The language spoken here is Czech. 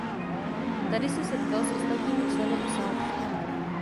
Tady se setkal s ostatními členy osádky.